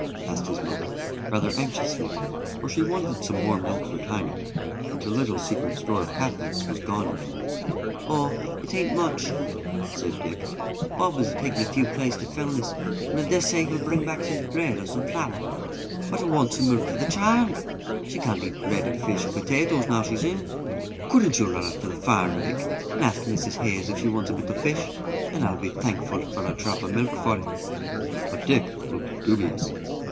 asked his mother, rather anxiously, for she wanted some more milk for Tiny, and her little secret store of halfpence was gone now. "Oh, it ain't much," said Dick; "Bob has taken a few plaice to Fellness, and I dessay he'll bring back some bread or some flour." "But I want some milk for the child; she can't eat bread and fish and potatoes now she's ill. Couldn't you run up to the farm, Dick, and ask Mrs. Hayes if she wants a bit o' fish, and I'll be thankful for a drop o' milk for it." But Dick looked dubious.